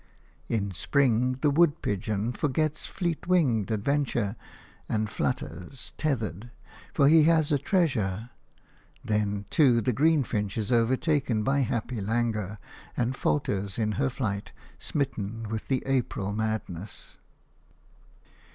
In spring the wood pigeon forgets fleet winged adventure, and flutters, tethered – for he has a treasure. Then, too, the greenfinch is overtaken by happy languor, and falters in her flight, smitten with the April madness.